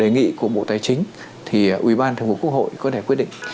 nghĩ của bộ tài chính thì ubthqh có thể quyết định